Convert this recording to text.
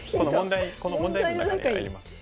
この問題文の中にありますよ。